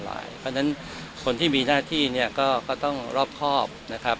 เพราะฉะนั้นคนที่มีหน้าที่เนี่ยก็ต้องรอบครอบนะครับ